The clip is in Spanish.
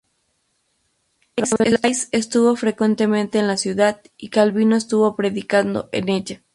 Rabelais estuvo frecuentemente en la ciudad, y Calvino estuvo predicando en ella.